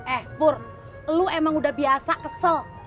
eh pur lu emang udah biasa kesel